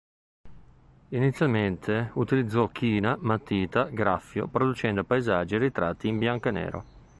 Inizialmente utilizzò "china, matita, graffio", producendo paesaggi e ritratti in bianco e nero.